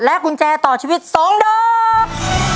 และกุญแจต่อชีวิตสองดอก